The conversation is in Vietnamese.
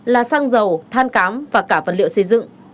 là xăng dầu than cám và cả vật liệu xây dựng